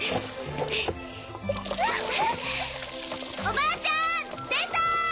おばあちゃん出た！